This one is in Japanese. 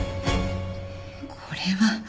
これは。